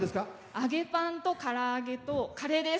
揚げパンとから揚げとカレーです。